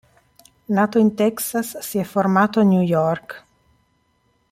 Nato in Texas, si è formato a New York.